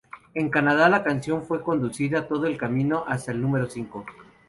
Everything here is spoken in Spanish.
En Canadá, la canción fue conducida todo el camino hasta el número cinco.